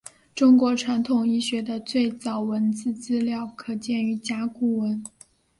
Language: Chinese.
中国传统医学的最早文字资料可见于甲骨文。